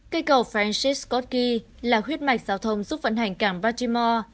cây cầu francis scott key là huyết mạch giao thông giúp vận hành cảng baltimore